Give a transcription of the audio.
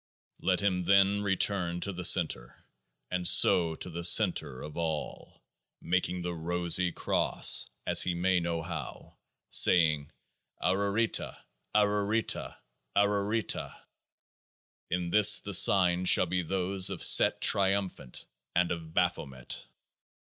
46 Let him then return to the Centre, and so to The Centre of All [making the ROSY CROSS as he may know how] saying : ARARITA ARARITA ARARITA. [In this the Signs shall be those of Set Trium phant and of Baphomet.